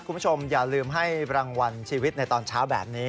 คุณผู้ชมอย่าลืมให้รางวัลชีวิตในตอนเช้าแบบนี้